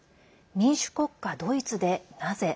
民主国家ドイツで、なぜ。